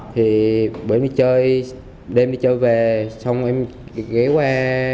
thì bữa em đi chơi đêm đi chơi về xong em ghé qua